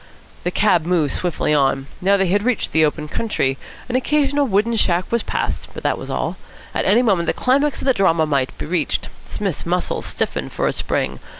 The cab moved swiftly on. Now they had reached the open country. An occasional wooden shack was passed, but that was all. At any moment the climax of the drama might be reached. Psmith's muscles stiffened for a spring.